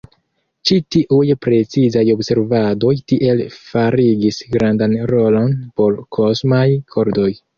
Ĉi-tiuj precizaj observadoj tiel forigis gravan rolon por kosmaj kordoj.